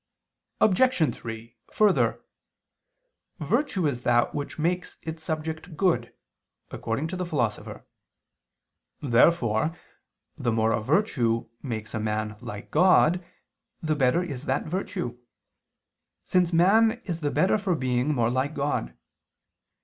Obj. 3: Further, "Virtue is that which makes its subject good," according to the Philosopher. Therefore the more a virtue makes a man like God, the better is that virtue: since man is the better for being more like God.